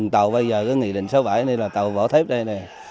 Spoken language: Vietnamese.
tàu bây giờ cái nghị định sáu mươi bảy này là tàu vỏ thép đây này